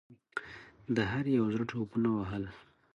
د هر یوه زړه ټوپونه وهل.